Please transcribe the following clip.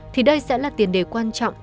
thì đây sẽ là tiền đề quan trọng